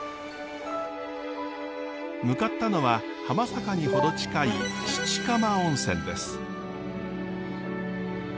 向かったのは浜坂に程近い七釜温泉です。